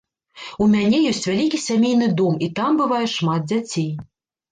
У мяне ёсць вялікі сямейны дом, і там бывае шмат дзяцей.